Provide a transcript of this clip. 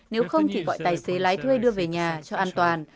nếu không thì bọn tài xế lái thuê đưa về nhà cho an toàn